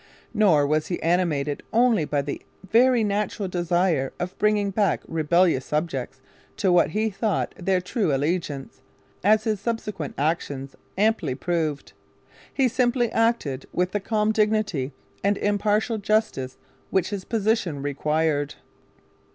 Nor was he animated only by the very natural desire of bringing back rebellious subjects to what he thought their true allegiance, as his subsequent actions amply proved. He simply acted with the calm dignity and impartial justice which his position required.